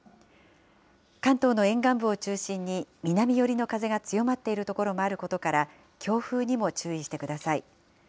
関東の沿岸部を中心に、南寄りの風が強まっている所もあることから、強風にも注意してください。